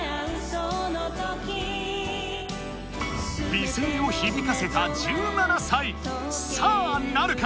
美声を響かせた１７歳さぁなるか？